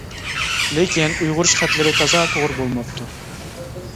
لېكىن ئۇيغۇرچە خەتلىرى تازا توغرا بولماپتۇ.